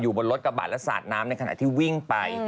บนรถกระบาดและสาดน้ำในขณะที่วิ่งไป